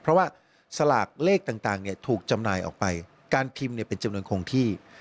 เพราะว่าสลากเลขต่างถูกจำหน่ายออกไปการพิมพ์เป็นจำนวนคงที่